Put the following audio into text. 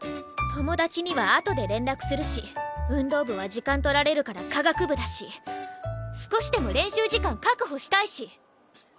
友達にはあとで連絡するし運動部は時間取られるから科学部だし少しでも練習時間確保したいし。